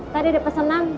tadi ada pesenan